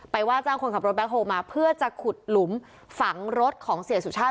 ว่าจ้างคนขับรถแบ็คโฮลมาเพื่อจะขุดหลุมฝังรถของเสียสุชาติ